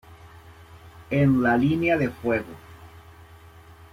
En la línea de fuego.